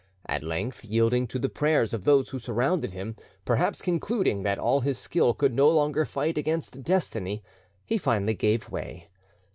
At length, yielding to the prayers of those who surrounded him, perhaps concluding that all his skill could no longer fight against Destiny, he finally gave way.